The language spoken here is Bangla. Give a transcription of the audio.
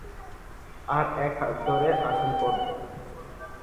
আর এক হাতে ধরে আছেন পদ্ম।